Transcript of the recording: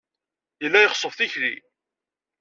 Yella iɣeṣṣeb tikli.